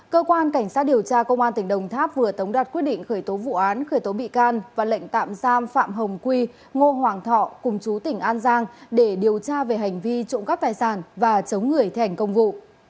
cơ quan cảnh sát điều tra công an tỉnh đồng tháp vừa tống đạt quyết định khởi tố vụ án khởi tố bị can và lệnh tạm giam phạm hồng quy ngô hoàng thọ cùng chú tỉnh an giang để điều tra về hành vi trộm cắp tài sản và chống người thi hành công vụ